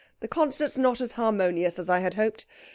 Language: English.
The concert's not as harmonious as I hoped.